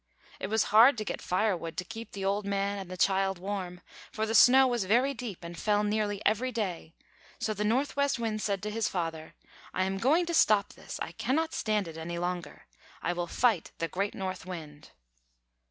It was hard to get firewood to keep the old man and the child warm, for the snow was very deep and fell nearly every day; so the Northwest Wind said to his father: "I am going to stop this; I cannot stand it any longer. I will fight the great North Wind."